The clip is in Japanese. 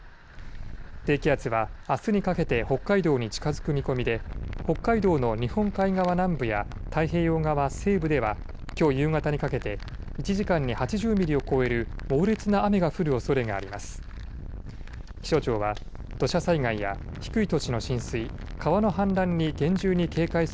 低気圧はあすにかけて北海道に近づく見込みで北海道の日本海側南部や太平洋側西部ではきょう夕方にかけて１時間に８０ミリを超える猛烈な雨が降るおそれがあります。